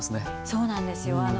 そうなんですよ